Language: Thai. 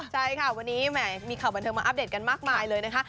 ใช่ค่ะวันนี้แหมมีข่าวบันเทิงมาอัปเดตกันมากมายเลยนะคะ